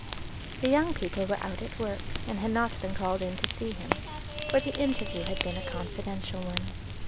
The young people were out at work, and had not been called in to see him, for the interview had been a confidential one.